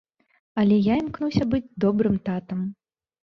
Але я імкнуся быць добрым татам.